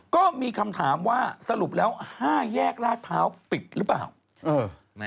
ก็มีคำถามว่าสรุปแล้ว๕แยกลาดพร้าวปิดหรือเปล่า